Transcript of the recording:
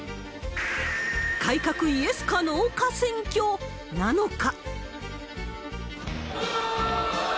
改革イエスかノーか選挙なのか。